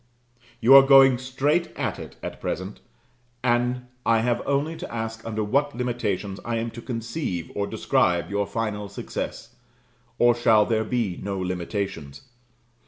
You are going straight at it at present; and I have only to ask under what limitations I am to conceive or describe your final success? Or shall there be no limitations?